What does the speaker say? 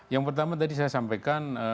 yang pertama tadi saya sampaikan